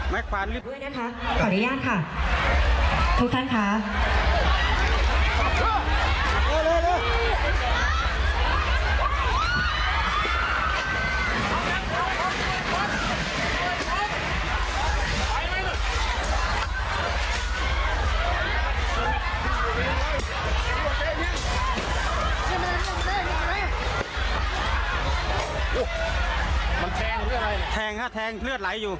มันแทงเลือดไหลนะแทงครับแทงเลือดไหลอยู่